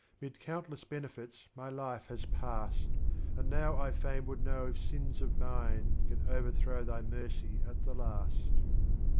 Mid countless Benefits my Life lias passed, And now I fain would know if Sins of mine, Can overthrow Thy IMercy at the Last.